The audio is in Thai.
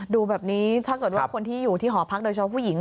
ดูแบบนี้ถ้าเกิดว่าคนที่อยู่ที่หอพักโดยเฉพาะผู้หญิง